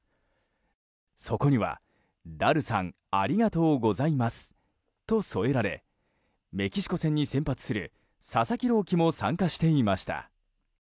そこには、ダルさんありがとうございますと添えられメキシコ戦に先発する佐々木朗希も参加していました。